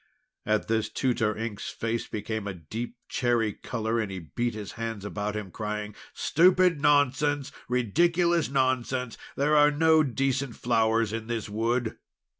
At this Tutor Ink's face became a deep cherry colour, and he beat his hands about him, crying: "Stupid nonsense! Ridiculous nonsense! There are no decent flowers in this wood!"